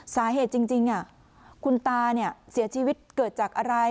สาเหตุจริงคุณตาเสียชีวิตเกิดจากอะไร